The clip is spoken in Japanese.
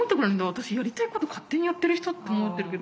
私やりたいこと勝手にやってる人って思ってるけど。